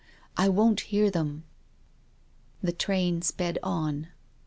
I won't hear them." The train sped on.